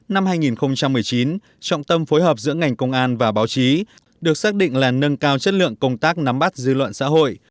năm hai nghìn một mươi chín trọng tâm phối hợp giữa ngành công an và báo chí được xác định là nâng cao chất lượng công tác nắm bắt dư luận xã hội